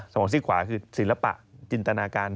มองซี่ขวาคือศิลปะจินตนาการ